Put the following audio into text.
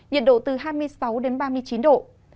nhiệt độ từ hai mươi sáu đến ba mươi chín độ